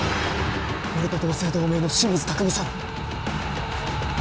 俺と同姓同名の清水拓海さん